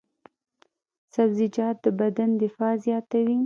سبزیجات د بدن دفاع زیاتوي.